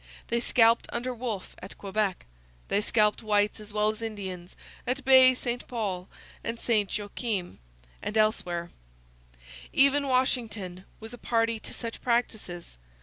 They scalped under Wolfe at Quebec. They scalped whites as well as Indians at Baie St Paul, at St Joachim, and elsewhere. Even Washington was a party to such practices.